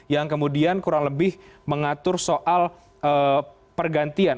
yang kemudian kurang lebih mengatur soal pergantian